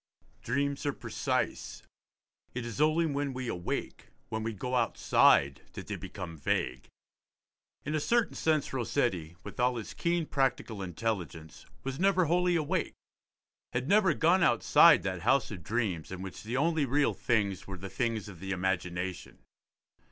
Dreams are precise; it is only when we awake, when we go outside, that they become vague. In a certain sense Rossetti, with all his keen practical intelligence, was never wholly awake, had never gone outside that house of dreams in which the only real things were the things of the imagination.